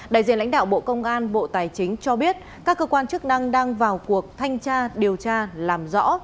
đại diện lãnh đạo bộ công an bộ tài chính cho biết các cơ quan chức năng đang vào cuộc thanh tra điều tra làm rõ